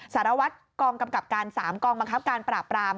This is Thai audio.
สารวัตรกองกำกับการ๓กองบังคับการปราบราม